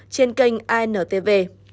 trên kênh antv